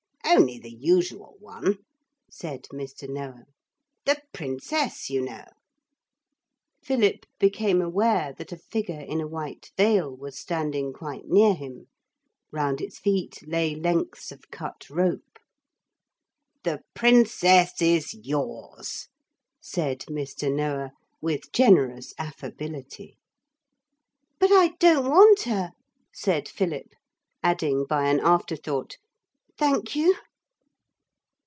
'Only the usual one,' said Mr Noah. 'The Princess, you know.' Philip became aware that a figure in a white veil was standing quite near him; round its feet lay lengths of cut rope. 'The Princess is yours,' said Mr. Noah, with generous affability. 'But I don't want her,' said Philip, adding by an afterthought, 'thank you.'